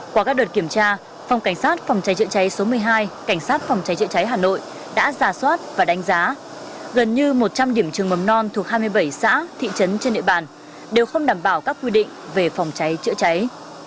qua các đợt kiểm tra phòng cảnh sát phòng cháy chữa cháy số một mươi hai cảnh sát phòng cháy chữa cháy hà nội đã giả soát và đánh giá gần như một trăm linh điểm trường mầm non thuộc hai mươi bảy xã thị trấn trên địa bàn đều không đảm bảo các quy định về phòng cháy chữa cháy